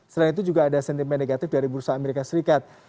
selain itu juga ada sentimen negatif dari bursa amerika serikat